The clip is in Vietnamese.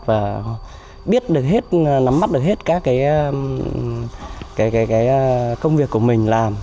và biết được hết nắm mắt được hết các cái công việc của mình làm